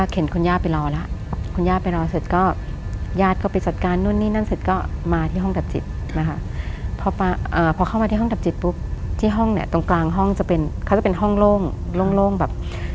เข้ามาที่ห้องดับจิตปุ๊บที่ห้องเนี้ยตรงกลางห้องจะเป็นเขาจะเป็นห้องโล่งโล่งโล่งแบบ